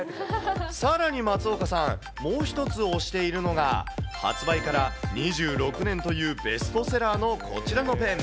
さらに松岡さん、もう一つ、推しているのが、発売から２６年というベストセラーのこちらのペン。